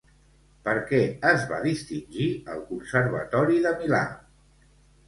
Per què es va distingir al Conservatori de Milà?